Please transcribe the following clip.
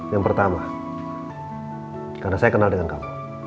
yang pertama karena saya kenal dengan kapal